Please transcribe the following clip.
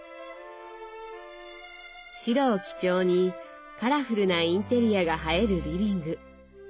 白を基調にカラフルなインテリアが映えるリビング。